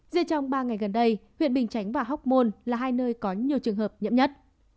riêng trong ba ngày gần đây huyện bình chánh và hóc môn là hai nơi có nhiều trường hợp nhiễm nhất